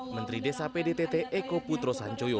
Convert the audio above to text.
menteri desa pdtt eko putro sanjoyo